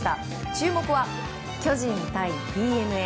注目は巨人対ＤｅＮＡ。